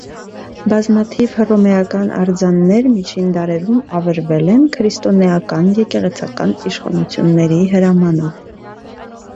Բազմաթիվ հռոմեական արձաններ միջին դարերում ավերվել են քրիստոնեական եկեղեցական իշխանությունների հրամանով։